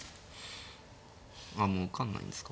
あもう受かんないんですか？